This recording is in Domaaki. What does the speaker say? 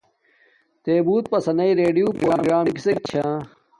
تے بوت پسنݵ ریڈیوں پرگرام کسک چھا۔